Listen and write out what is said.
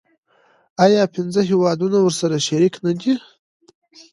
آیا پنځه هیوادونه ورسره شریک نه دي؟